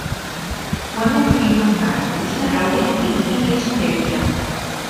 U hemmhekk irridu nħarsu biex naraw jekk dik hijiex ħierġa.